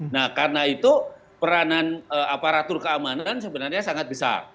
nah karena itu peranan aparatur keamanan sebenarnya sangat besar